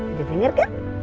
udah denger kan